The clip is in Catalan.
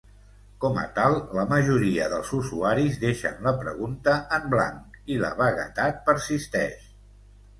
Com a tal, la majoria dels usuaris deixen la pregunta en blanc, i la vaguetat persisteix.